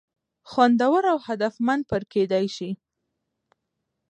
خوندور او هدفمند پر کېدى شي.